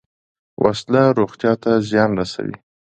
وسله روغتیا ته زیان رسوي